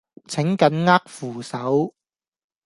請緊握扶手